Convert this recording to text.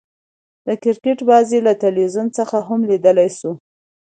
د کرکټ بازۍ له تلویزیون څخه هم ليدلاى سو.